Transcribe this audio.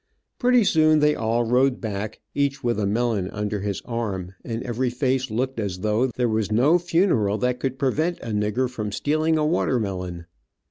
Pretty soon they all rode back, each with a melon under his arm, and every face looked as though there was no funeral that could prevent a nigger from stealing a watermelon.